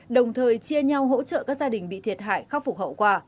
đồng thời chia nhau hỗ trợ các gia đình bị thiệt hại khắc phục hậu quả